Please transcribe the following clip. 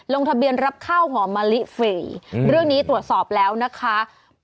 ลงทะเบียนรับข้าวหอมมะลิฟรีเรื่องนี้ตรวจสอบแล้วนะคะ